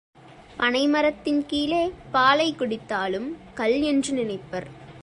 பனை மரத்தின் கீழே பாலைக் குடித்தாலும் கள் என்று நினைப்பர்.